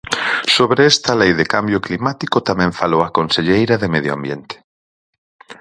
Sobre esta lei de cambio climático tamén falou a conselleira de Medio Ambiente.